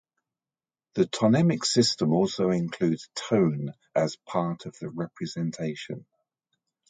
The tonemic system also includes tone as part of the representation.